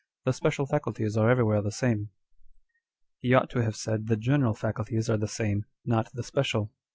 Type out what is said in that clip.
The special faculties are everywhere the same." 2 He ought to have said the general faculties are the same, not the special.